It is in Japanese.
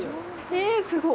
ええ、すごい。